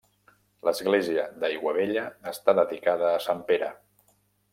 L'església d'Aiguabella està dedicada a sant Pere.